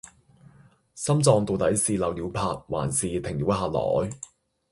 心臟到底是漏了拍還是停了下來